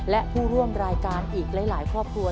และผู้ร่วมรายการอีกหลายครอบครัว